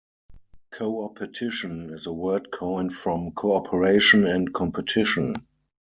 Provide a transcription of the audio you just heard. "Coopetition" is a word coined from cooperation and competition.